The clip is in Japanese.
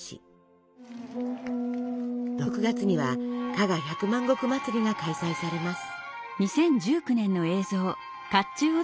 ６月には加賀百万石祭りが開催されます。